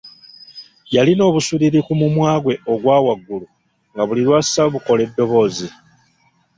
Yalina obuswiriri ku mumwa gwe ogwawaggulu nga buli lw’assa bukola eddoboozi.